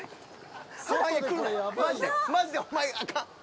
マジでお前あかん。